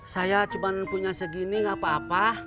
saya cuma punya segini nggak apa apa